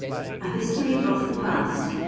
A HISTORY OF THE PAST.